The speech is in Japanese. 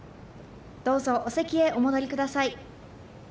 どうぞお席へお戻りください。